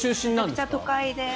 めちゃくちゃ都会で。